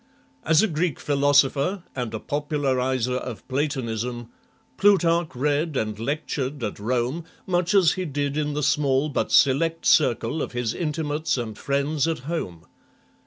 As a Greek philosopher, and a populariser of Platonism, Plutarch read and lectured at Rome, much as he did in the small but select circle of his intimates and friends at home.